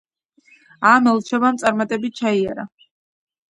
ამ ელჩობამ წარმატებით ჩაიარა.